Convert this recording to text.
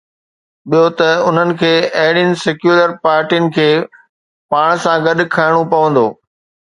ٻيو ته انهن کي اهڙين سيڪيولر پارٽين کي پاڻ سان گڏ کڻڻو پوندو.